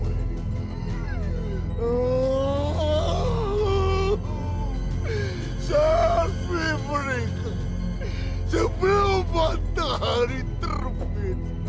saya akan memberikan sepiau bantah hari terbaik